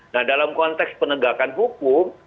nah dalam konteks penegakan hukum